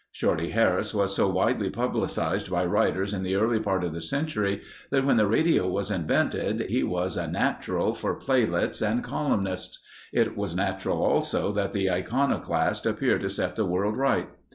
Shorty Harris was so widely publicized by writers in the early part of the century that when the radio was invented, he was a "natural" for playlets and columnists. It was natural also that the iconoclast appear to set the world right.